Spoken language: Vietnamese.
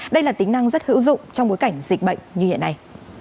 đây là tính năng rất hữu dụng trong bối cảnh dịch bệnh như hiện nay